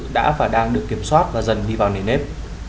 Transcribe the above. đã và đang được kiểm soát và dần đi vào nền nếp